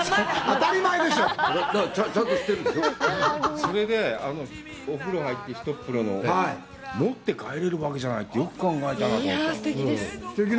それでお風呂入って、ひとっ風呂の、“持って帰れるわけじゃない”って、よく考えたなぁと思ったの。